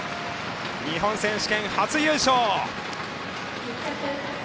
日本選手権初優勝。